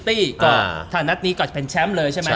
ก็ถ้านัดนี้ก็จะเป็นแชมป์เลยใช่มั้ย